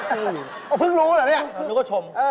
อ้าวพึ่งรู้เหรอนี่นึกว่าชมเออ